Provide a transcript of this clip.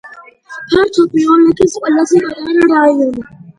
ფართობით ოლქის ყველაზე პატარა რაიონი.